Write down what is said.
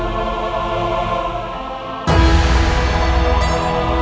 tidak sepantasnya aku memuka cadar tanpa seizin pemiliknya